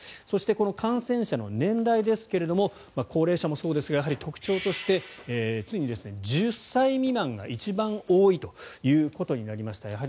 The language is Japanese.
そして、感染者の年代ですが高齢者もそうですがやはり特徴としてついに１０歳未満が一番多いということになりました。